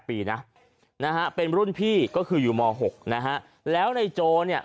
ปีนะนะฮะเป็นรุ่นพี่ก็คืออยู่ม๖นะฮะแล้วในโจเนี่ย